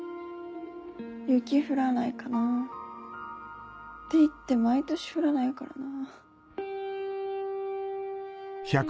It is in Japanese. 雪降らないかな。って言って毎年降らないからな。